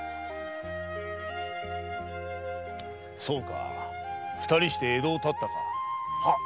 そうか二人して江戸を発ったか。